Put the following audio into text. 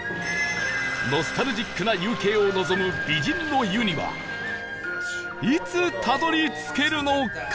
ノスタルジックな夕景を望む美人の湯にはいつたどり着けるのか？